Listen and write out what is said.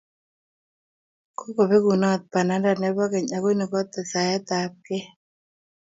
Kokobekunot bananda nepo keny ako ni kotesetaet ab kei